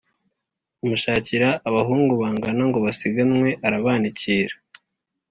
Amushakira abahungu bangana ngo basiganwe, arabanikira.